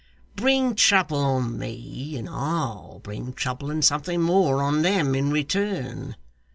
Bring trouble on me, and I'll bring trouble and something more on them in return.